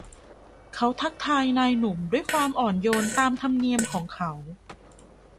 เขาทักทายนายหนุ่มด้วยความอ่อนโยนตามธรรมเนียมของเขา